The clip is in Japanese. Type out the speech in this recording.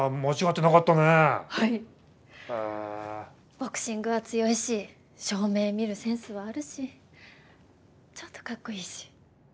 ボクシングは強いし照明見るセンスはあるしちょっとかっこいいし。